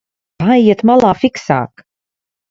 Paejiet malā, fiksāk!